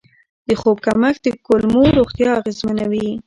د خوب کمښت د کولمو روغتیا اغېزمنوي.